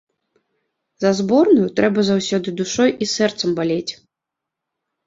За зборную трэба заўсёды душой і сэрцам балець.